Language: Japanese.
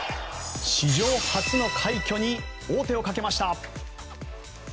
史上初の快挙に王手をかけました。